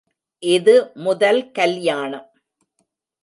இது முதல் கல்யாணம்.